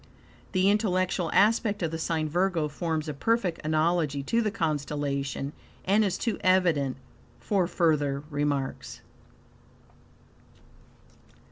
The intellectual aspect of the sign Virgo forms a perfect analogy to the constellation, and is too evident for further remarks.